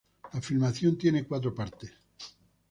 La filmación tiene cuatro partes.